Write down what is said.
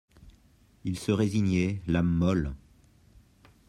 Il se résignait, l'âme molle.